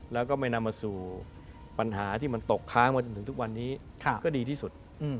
แล้วก็ไม่นำมาสู่ปัญหาที่มันตกค้างมาจนถึงทุกวันนี้ก็ดีที่สุด